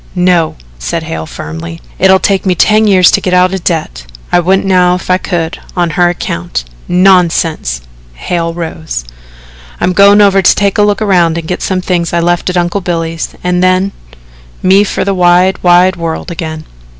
"No," said Hale firmly. "It'll take me ten years to get out of debt. I wouldn't now if I could on her account." "Nonsense." Hale rose. "I'm going over to take a look around and get some things I left at Uncle Billy's and then me for the wide, wide world again."